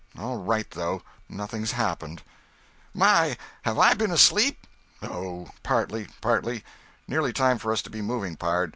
All right, though—nothing's happened." "My! have I been asleep?" "Oh, partly, partly. Nearly time for us to be moving, pard.